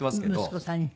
息子さんに。